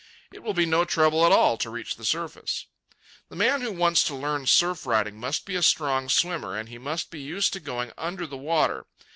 It will be no trouble at all to reach the surface. The man who wants to learn surf riding must be a strong swimmer, and he must be used to going under the water.